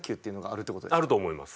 あると思います。